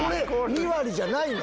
２割じゃないの？